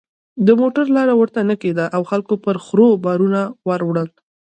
د موټر لاره ورته نه کېده او خلکو پر خرو بارونه ور وړل.